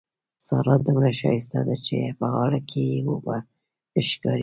سارا دومره ښايسته ده چې په غاړه کې يې اوبه ښکاري.